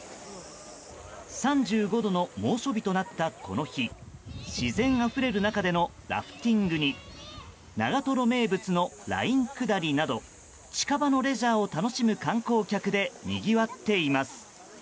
３５度の猛暑日となったこの日自然あふれる中でのラフティングに長瀞名物のライン下りなど近場のレジャーを楽しむ観光客でにぎわっています。